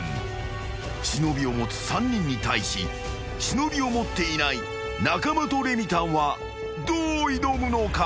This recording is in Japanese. ［忍を持つ３人に対し忍を持っていない中間とレミたんはどう挑むのか？］